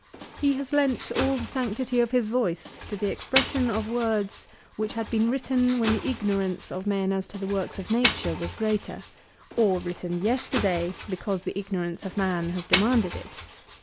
He has lent all the sanctity of his voice to the expression of words which had been written when the ignorance of men as to the works of nature was greater ; or written yesterday because the ignorance of man has demanded it.